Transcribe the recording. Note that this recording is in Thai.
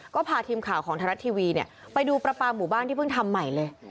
ก็พาทีมข่าวของไทยรัฐทีวีไปดูประปาหมู่บ้านที่เพิ่งทำใหม่เลย